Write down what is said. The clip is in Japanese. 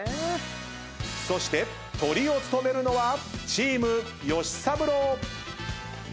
そしてトリを務めるのはチームよしさぶろう！